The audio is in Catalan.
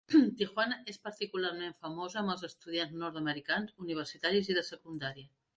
Tijuana és particularment famosa amb els estudiants nord-americans universitaris i de secundària.